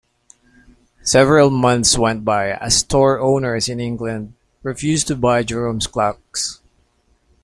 Several months went by, as store owners in England refused to buy Jerome's clocks.